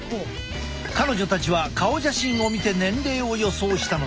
彼女たちは顔写真を見て年齢を予想したのだ。